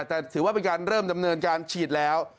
แต่ถือว่าเป็นการเริ่มดำเนินการฉีดแล้ว